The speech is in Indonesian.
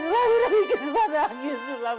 lu udah bikin emak nangis lu gak berguna lagi hidup maaf